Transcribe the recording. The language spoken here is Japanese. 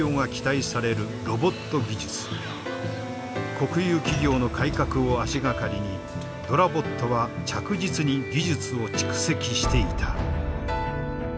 国有企業の改革を足掛かりにｄｏｒａｂｏｔは着実に技術を蓄積していた。